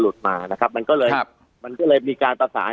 มานะครับมันก็เลยมันก็เลยมีการประสาน